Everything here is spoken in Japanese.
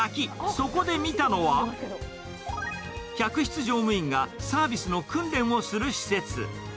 そこで見たのは、客室乗務員がサービスの訓練をする施設。